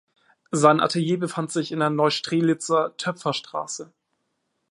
Sein Atelier befand sich in der Neustrelitzer Töpferstraße.